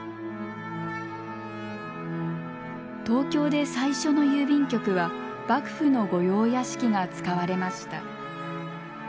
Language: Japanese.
東京で最初の郵便局は幕府の御用屋敷が使われました。